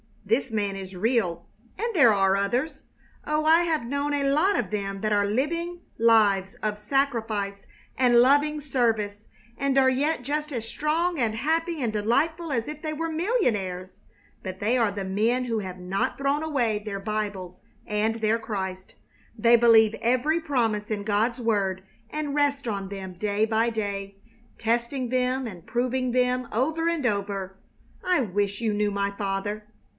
This man is real. And there are others. Oh, I have known a lot of them that are living lives of sacrifice and loving service and are yet just as strong and happy and delightful as if they were millionaires. But they are the men who have not thrown away their Bibles and their Christ. They believe every promise in God's word, and rest on them day by day, testing them and proving them over and over. I wish you knew my father!"